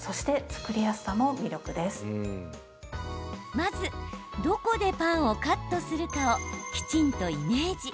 まず、どこでパンをカットするかをきちんとイメージ。